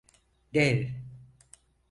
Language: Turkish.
Dev…